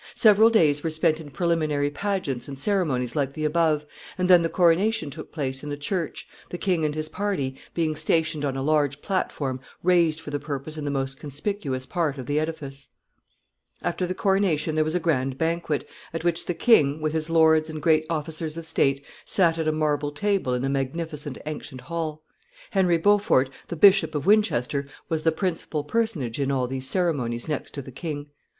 Several days were spent in preliminary pageants and ceremonies like the above, and then the coronation took place in the church, the king and his party being stationed on a large platform raised for the purpose in the most conspicuous part of the edifice. [Sidenote: 1441.] [Sidenote: The banquet.] After the coronation there was a grand banquet, at which the king, with his lords and great officers of state, sat at a marble table in a magnificent ancient hall. Henry Beaufort, the Bishop of Winchester, was the principal personage in all these ceremonies next to the king.